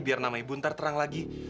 biar namanya ibu ntar terang lagi